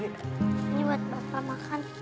ini buat bapak makan